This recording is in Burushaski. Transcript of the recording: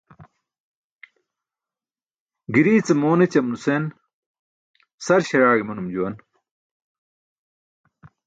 Girii ce moon ećam nusen sar śaraaẏ imanum juwan.